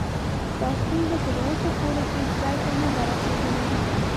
دا ستونزه تر اوسه پورې هیڅ ځای ته نه ده رسېدلې.